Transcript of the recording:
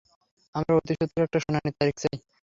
আমরা অতি সত্ত্বর একটা শুনানির তারিখ চাই।